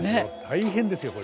大変ですよこれ。